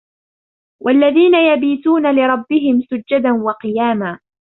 وَالَّذِينَ يَبِيتُونَ لِرَبِّهِمْ سُجَّدًا وَقِيَامًا